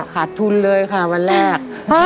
ขาดทุนเลยค่ะวันแรก